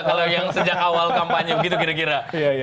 kalau yang sejak awal kampanye begitu kira kira